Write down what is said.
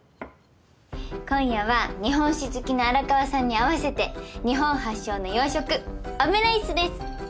今夜は日本酒好きの荒川さんに合わせて日本発祥の洋食オムライスです。